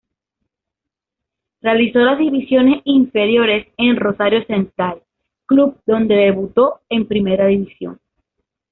Realizó las divisiones inferiores en Rosario Central, club donde debutó en Primera División.